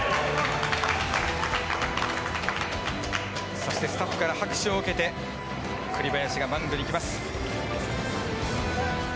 そしてスタッフから拍手を受けて栗林がマウンドへ行きます。